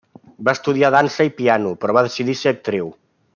Va estudiar dansa i piano, però va decidir ser actriu.